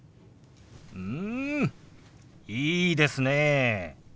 うんいいですねえ。